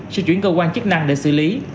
sẽ chuyển cơ quan chức năng để xử lý